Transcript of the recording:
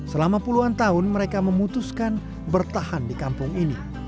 selama puluhan tahun mereka memutuskan bertahan di kampung ini